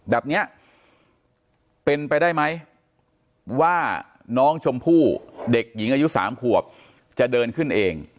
แบบนี้เป็นไปได้ไหมว่าน้องชมพู่เด็กหญิงอายุ๓ขวบจะเดินขึ้นเอง